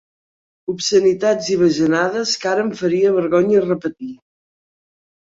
Obscenitats i bajanades que ara em faria vergonya repetir.